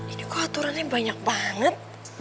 ini kok aturannya banyak banget